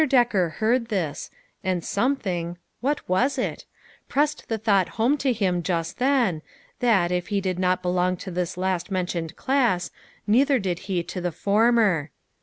Decker heard this, and something, Avhat was it? pressed the thought home to him just then, that, if he did not belong to this last mentioned class, neither did he to the former.